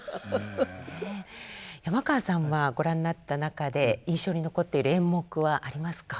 山川さんはご覧になった中で印象に残っている演目はありますか？